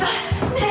ねえ。